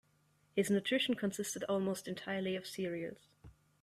His nutrition consisted almost entirely of cereals.